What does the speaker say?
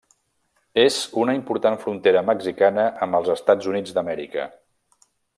És una important frontera mexicana amb els Estats Units d'Amèrica.